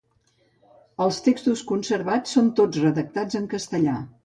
Els textos conservats són tots redactats en castellà.